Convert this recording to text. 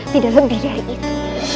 tidak lebih dari itu